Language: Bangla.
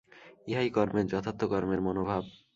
ইহাই কর্মের যথার্থ কর্মের মনোভাব।